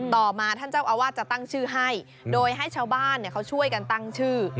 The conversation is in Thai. ต่อมาท่านเจ้าอาวาสจะตั้งชื่อให้โดยให้ชาวบ้านเขาช่วยกันตั้งชื่อ